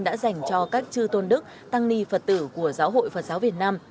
đã dành cho các chư tôn đức tăng ni phật tử của giáo hội phật giáo việt nam